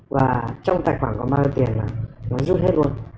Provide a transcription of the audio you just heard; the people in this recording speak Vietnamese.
và trong tài khoản có bao nhiêu tiền mà nó rút hết luôn